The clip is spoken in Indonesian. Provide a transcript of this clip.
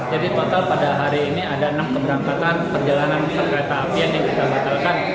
jadi total pada hari ini ada enam keberangkatan perjalanan kereta api yang kita batalkan